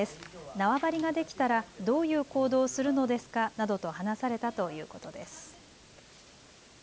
縄張りができたらどういう行動をするのですかなどと話されたということです。